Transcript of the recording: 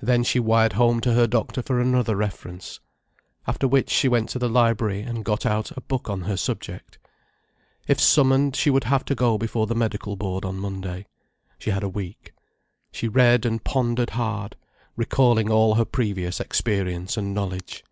Then she wired home to her doctor for another reference. After which she went to the library and got out a book on her subject. If summoned, she would have to go before the medical board on Monday. She had a week. She read and pondered hard, recalling all her previous experience and knowledge.